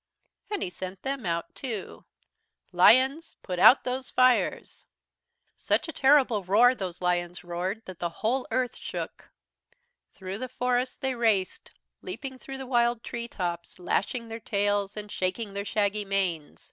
"And he sent them out too. "'Lions, put out those fires!' "Such a terrible roar those lions roared that the whole Earth shook. Through the forests they raced, leaping through the wild tree tops, lashing their tails, and shaking their shaggy manes.